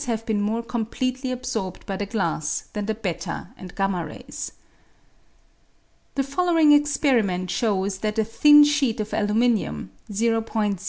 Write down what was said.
have been more completely absorbed by the glass than the ii and 7 rays. The following experiment shows that a thin sheet of aluminium (o oi m.